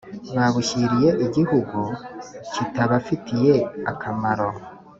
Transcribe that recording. babushyiriye igihugu kitabafitiye akamaro.